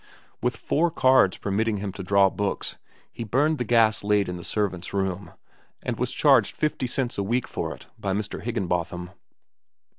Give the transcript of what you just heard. With four cards permitting him to draw books, he burned the gas late in the servant's room, and was charged fifty cents a week for it by Mr. Higginbotham.